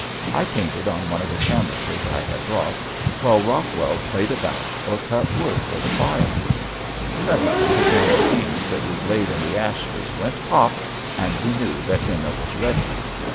I painted on one of the canvases I had brought while Rockwell played about or cut wood for the fire. Presently the can of beans that we'd laid in the ashes went pop! and we knew that dinner was ready.